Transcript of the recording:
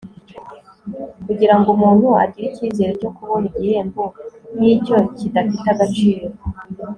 kugira ngo umuntu agire icyizere cyo kubona igihembo nk'icyo kidafite agaciro